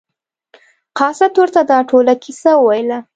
قاصد ورته دا ټوله کیسه وویله.